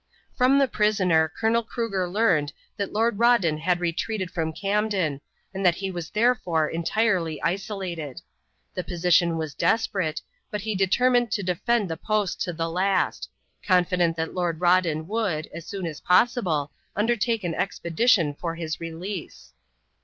From the prisoner Colonel Cruger learned that Lord Rawdon had retreated from Camden and that he was therefore entirely isolated. The position was desperate, but he determined to defend the post to the last, confident that Lord Rawdon would, as soon as possible, undertake an expedition for his release.